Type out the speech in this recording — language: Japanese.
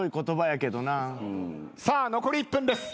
さあ残り１分です。